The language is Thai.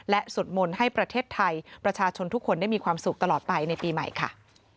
และสวดมนต์ให้ประเทศไทยประชาชนทุกคนได้มีความสุขตลอดไปในปีใหม่ค่ะ